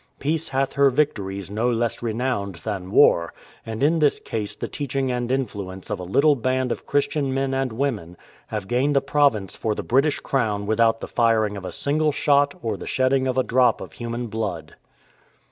''Peace hath her victories no less renownM than war,"" and in this case the teaching and influence of a little band of Christian men and women have gained a province for the British Crown without the firing of a single shot or the shedding of a drop of human blood.